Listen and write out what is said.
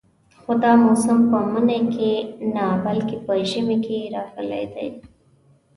خو دا موسم په مني کې نه بلکې په ژمي کې راغلی دی.